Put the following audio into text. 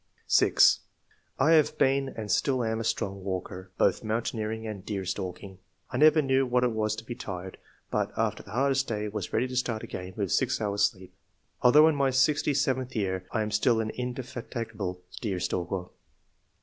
6. *' I have been and still am a strong walker, both mountaineering and deer stalking. I never knew what it was to be tired, but, after the hardest day, was ready to start again with six hours' sleep. Although in my sixty seventh year, I am still an indefatigable deer stalker."